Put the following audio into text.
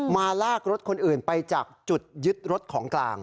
ลากรถคนอื่นไปจากจุดยึดรถของกลาง